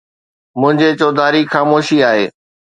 منهنجي چوڌاري خاموشي آهي.